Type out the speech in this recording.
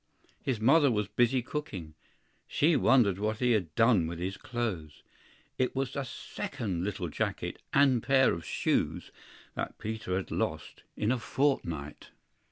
His mother was busy cooking; she wondered what he had done with his clothes. It was the second little jacket and pair of shoes that Peter had lost in a fortnight!